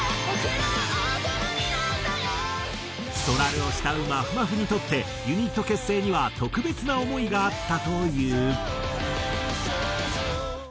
そらるを慕うまふまふにとってユニット結成には特別な思いがあったという。